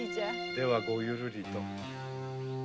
ではごゆるりと。